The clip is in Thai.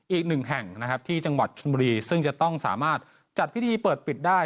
อีกหนึ่งแห่งนะครับที่จังหวัดชนบุรีซึ่งจะต้องสามารถจัดพิธีเปิดปิดได้